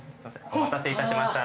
お待たせいたしました。